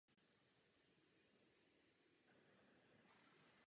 Demokratizace zde musí také uspět.